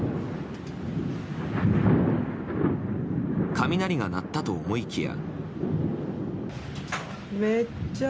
雷が鳴ったと思いきや。